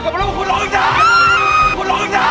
คุณได้กลับมาอยู่กับลูกคุณร้องจาน